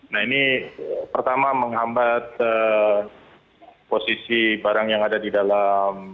nah ini pertama menghambat posisi barang yang ada di dalam